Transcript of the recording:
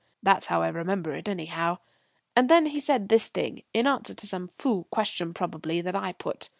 That's how I remember it anyhow. And then he said this thing in answer to some fool question probably that I put."